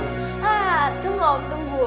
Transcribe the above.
hah tunggu om tunggu